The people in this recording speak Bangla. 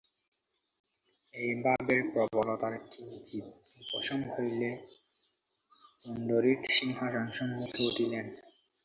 এই ভাবের প্রবলতার কিঞ্চিৎ উপশম হইলে পুণ্ডরীক সিংহাসনসম্মুখে উঠিলেন।